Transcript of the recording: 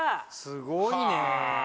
すごいね。